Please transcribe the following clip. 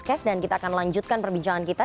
cash dan kita akan lanjutkan perbincangan kita